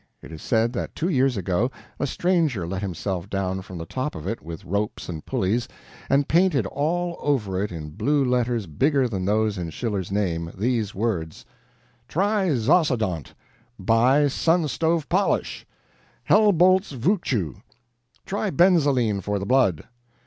It is said that two years ago a stranger let himself down from the top of it with ropes and pulleys, and painted all over it, in blue letters bigger than those in Schiller's name, these words: "Try Sozodont;" "Buy Sun Stove Polish;" "Helmbold's Buchu;" "Try Benzaline for the Blood."